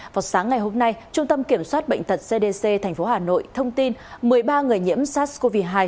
vào sáng ngày hôm nay trung tâm kiểm soát bệnh tật cdc tp hà nội thông tin một mươi ba người nhiễm sars cov hai